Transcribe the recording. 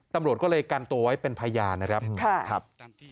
ตำรวจก็เลยกันตัวไว้เป็นภรรยานะครับครับ